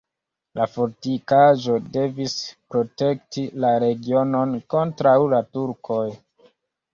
La fortikaĵo devis protekti la regionon kontraŭ la turkoj.